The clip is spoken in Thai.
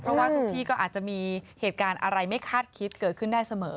เพราะว่าทุกที่ก็อาจจะมีเหตุการณ์อะไรไม่คาดคิดเกิดขึ้นได้เสมอ